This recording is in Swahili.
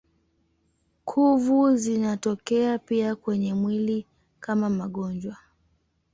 Kuvu zinatokea pia kwenye mwili kama magonjwa.